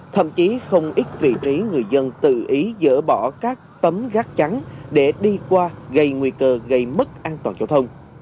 thậm chí không ít vị trí người dân tự ý dỡ bỏ các tấm gác trắng để đi qua gây nguy cơ gây mất an toàn giao thông